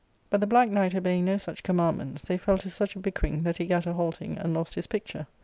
But the black knight obeying no such commandments, they fell to such a bickering that he gat a halting and lost his picture.